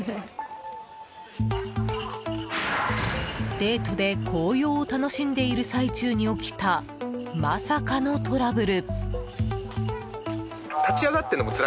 デートで紅葉を楽んでいる最中に起きたまさかのトラブル。